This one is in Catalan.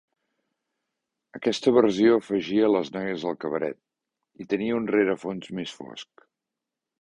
Aquesta versió afegia les Noies del Cabaret, i tenia un rerefons més fosc.